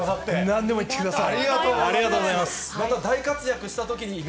なんでも言ってください。